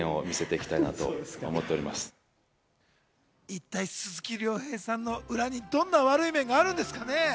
一体、鈴木亮平さんの裏、どんな面があるんですかね？